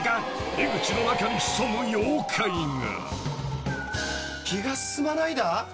江口の中に潜む妖怪が］